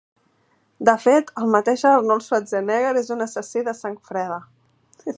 De fet, el mateix Arnold Schwarzenegger és un assassí de sang freda.